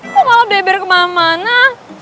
kok malah beber kemana mana